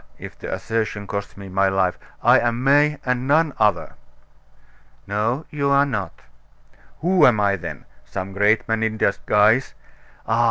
if the assertion costs me my life I'm May and none other." "No, you are not." "Who am I then? Some great man in disguise? Ah!